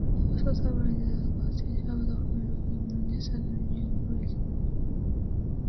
He also supervised the construction of Fort Frederick in Saint John, New Brunswick.